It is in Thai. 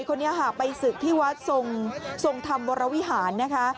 คนนี้ค่ะไปศึกที่วัดทรงธรรมวรวิหารนะคะ